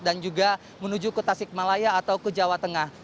dan juga menuju ke tasikmalaya atau ke jawa tengah